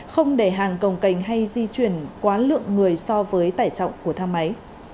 không để hàng cồng cành hay di chuyển quá lượng người so với tải trọng của thang máy